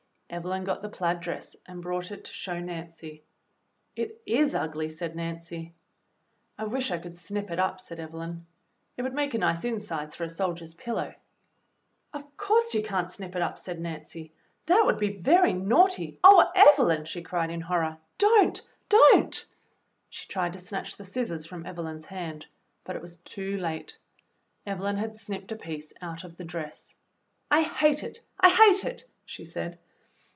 ^" Evelyn got the plaid dress and brought it to show to Nancy. "It is ugly," said Nancy. "I wish I could snip it up," said Evelyn. "It would make a nice insides for a soldier's pillow." "Of course you can't snip it up," said Nancy; "that would be very naughty. Oh, Evelyn!" she cried in horror. "Don't! Don't!" She tried to snatch the scissors from Evelyn's hand, but it was too late. Evelyn had snipped a piece out of the dress. "I hate it! I hate it!" she said.